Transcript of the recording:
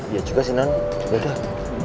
iya juga sih non gpp